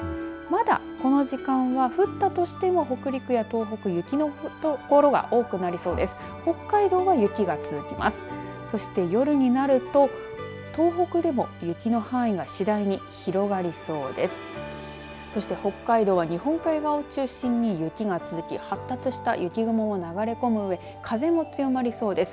まだこの時間は降ったとしても北陸や東北雪の所が多くてなりそうです。